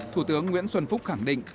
thủ tướng nguyễn xuân phúc khẳng định